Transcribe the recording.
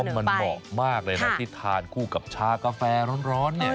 ต้องบอกว่ามันเหมาะมากเลยนะที่ทานกับชากาแฟร้อนเนี่ย